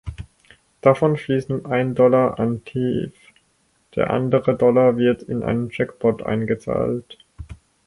Davon fließen ein Dollar an Tew, der andere Dollar wird in einen Jackpot eingezahlt.